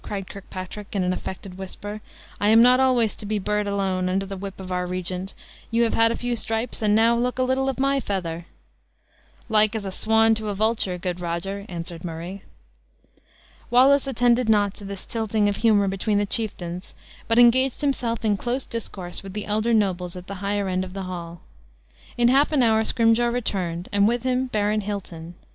cried Kirkpatrick, in an affected whisper, "I am not always to be bird alone, under the whip of our regent; you have had a few stripes, and now look a little of my feather!" "Like as a swan to a vulture, good Roger," answered Murray. Wallace attended not to this tilting of humor between the chieftains, but engaged himself in close discourse with the elder nobles at the higher end of the hall. In half an hour Scrymgeour returned, and with him Baron Hilton.